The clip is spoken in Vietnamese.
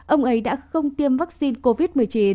ông ấy đã không tiêm vaccine covid một mươi chín